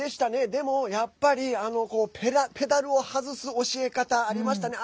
でも、やっぱりペダルを外す教え方ありましたね。